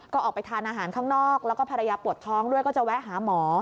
ก็ออกไปทานอาหารข้างนอกแล้วก็ภรรยาปวดท้องด้วยก็จะแวะหาหมอ